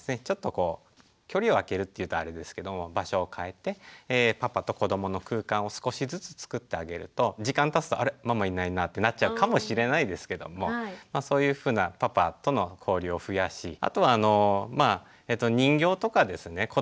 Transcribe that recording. ちょっとこう距離を開けるっていうとあれですけども場所を変えてパパと子どもの空間を少しずつ作ってあげると時間たつとあれママいないなってなっちゃうかもしれないですけどもそういうふうなパパとの交流を増やしあとはあのまあ人形とかですね